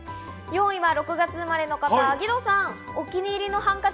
４位は６月生まれの方、義堂さん。